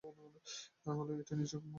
তা হলে এটি নিছক উদ্দেশ্যমূলক উপন্যাস হত।